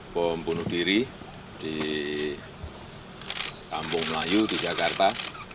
bom bunuh diri di kampung melayu di jakarta